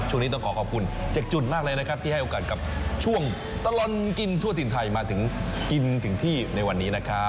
ช่วงนี้ต้องขอขอบคุณ๗จุดมากเลยนะครับที่ให้โอกาสกับช่วงตลอดกินทั่วถิ่นไทยมาถึงกินถึงที่ในวันนี้นะครับ